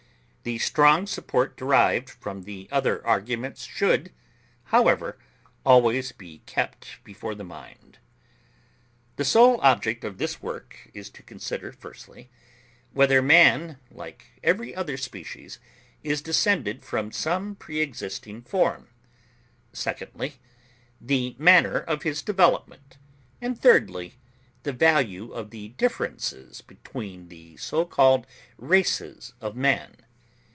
The strong support derived from the other arguments should, however, always be kept before the mind. The sole object of this work is to consider, firstly, whether man, like every other species, is descended from some pre existing form; secondly, the manner of his development; and thirdly, the value of the differences between the so called races of man.